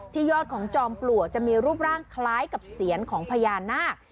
ยอดของจอมปลวกจะมีรูปร่างคล้ายกับเสียนของพญานาค